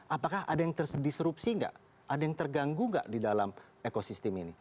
apakah ada yang terdisrupsi nggak ada yang terganggu nggak di dalam ekosistem ini